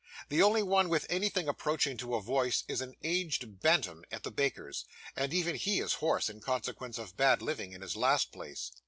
The only one with anything approaching to a voice, is an aged bantam at the baker's; and even he is hoarse, in consequence of bad living in his last place.